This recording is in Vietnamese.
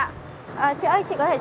chị ơi chị có thể cho em một phần